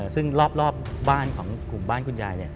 ซึ่งรอบบ้านของกลุ่มบ้านคุณยาย